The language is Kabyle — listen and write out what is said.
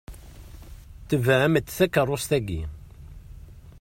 Tebɛemt takeṛṛust-ayi.